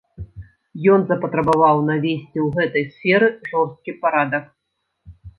Ён запатрабаваў навесці ў гэтай сферы жорсткі парадак.